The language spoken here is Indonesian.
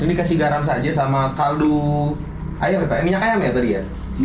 ini kasih garam saja sama kaldu ayam ya pak minyak ayam ya tadi ya